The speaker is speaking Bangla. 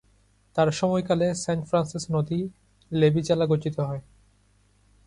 তার সময়কালে, সেন্ট ফ্রান্সিস নদী লেভি জেলা গঠিত হয়।